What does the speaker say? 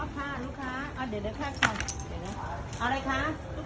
อ๋อค่ะลูกค้าอ่าเดี๋ยวเดี๋ยวแค่ค่ะอะไรคะลูก